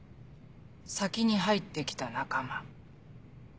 「先に入って来た仲間」。